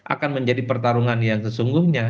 akan menjadi pertarungan yang sesungguhnya